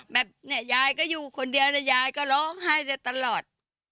แบบเนี่ยยายก็อยู่คนเดียวแต่ยายก็ร้องไห้จะตลอด